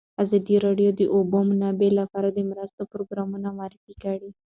ازادي راډیو د د اوبو منابع لپاره د مرستو پروګرامونه معرفي کړي.